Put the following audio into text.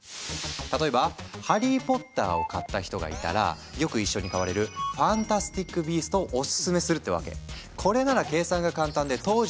例えば「ハリー・ポッター」を買った人がいたらよく一緒に買われる「ファンタスティック・ビースト」をオススメするってわけ。